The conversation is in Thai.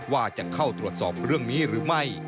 ว่าจะเข้าตรวจสอบเรื่องนี้หรือไม่